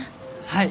はい。